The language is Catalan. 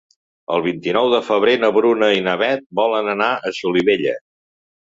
El vint-i-nou de febrer na Bruna i na Beth volen anar a Solivella.